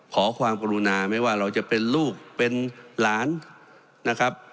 ขอความกรุณาไม่ว่าเราจะเป็นลูกเป็นหลานนะครับ